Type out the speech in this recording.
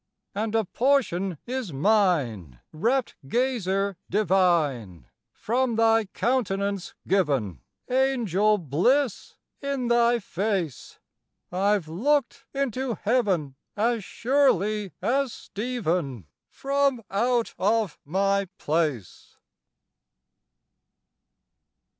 And a portion is mine, Rapt gazer divine, From thy countenance given Angel bliss in thy face! I've looked into heaven As surely as Stephen, From out of my place!